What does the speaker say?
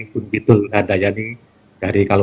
gunung kidul lada yani dari kalau